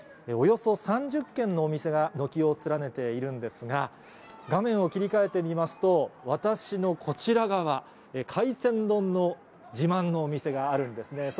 およそ３０軒のお店が軒を連ねているんですが、画面を切り替えてみますと、私のこちら側、海鮮丼の自慢のお店があるんですね。